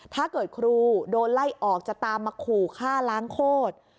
ถ้าเกิดครูโดนไล่ออกจะตามมาขู่ฆ่าล้างโคตร